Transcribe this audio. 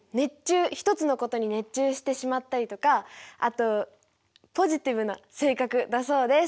一つのことに熱中してしまったりとかあとポジティブな性格だそうです。